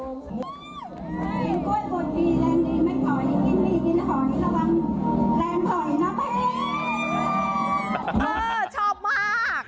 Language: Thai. โอ้โหชอบมาก